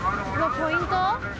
ポイント？